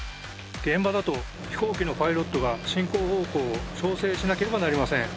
現場だと飛行機のパイロットが進行方向を調整しなければなりません。